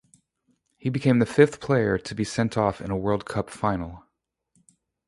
He became the fifth player to be sent off in a World Cup final.